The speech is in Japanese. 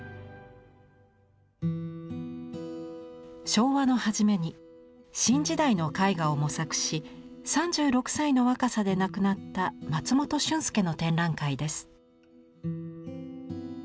昭和の初めに新時代の絵画を模索し３６歳の若さで亡くなった松本竣介の展覧会です。